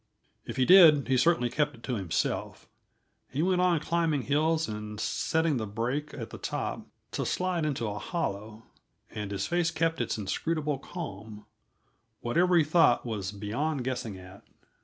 If he did, he certainly kept it to himself; he went on climbing hills and setting the brake at the top, to slide into a hollow, and his face kept its inscrutable calm; whatever he thought was beyond guessing at.